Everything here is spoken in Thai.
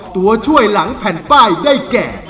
ตัวช่วยหลังแผ่นป้ายได้แก่